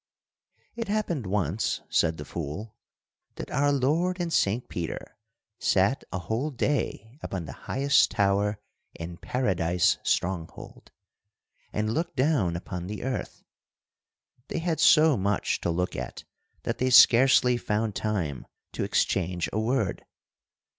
"It happened once," said the fool, "that our Lord and Saint Peter sat a whole day upon the highest tower in Paradise Stronghold, and looked down upon the earth. They had so much to look at, that they scarcely found time to exchange a word.